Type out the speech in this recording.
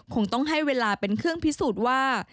คงต้องให้เวลาเป็นเครื่องพิสูจน์ว่า